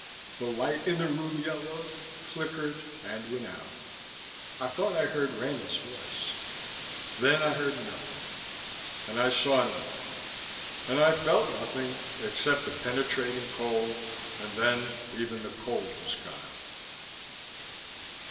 The light in the room yellowed, flickered and went out. I thought I heard Rena's voice.... Then I heard nothing. And I saw nothing. And I felt nothing, except the penetrating cold, and then even the cold was gone.